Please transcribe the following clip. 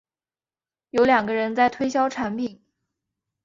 有两个人在推销产品